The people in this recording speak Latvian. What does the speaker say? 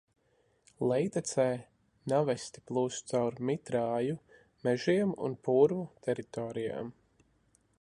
Lejtecē Navesti plūst caur mitrāju mežiem un purvu teritorijām.